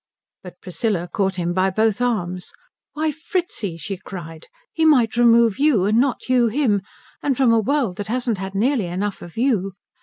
But Priscilla caught him by both arms. "Why, Fritzi," she cried, "he might remove you and not you him and from a world that hasn't had nearly enough of you.